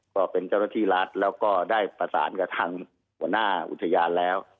ก็เป็นเจ้าหน้าที่รัฐแล้วก็ได้ประสานกับทางหัวหน้าอุทยานแล้ว